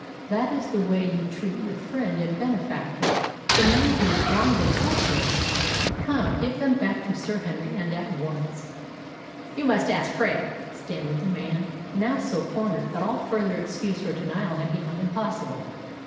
That is the way you treat your friend and benefactor, the man who is blind and helpless! Come, give them back to Sir Henry, and at once." "You must ask Krail," stammered the man, now so cornered that all further excuse or denial had become impossible.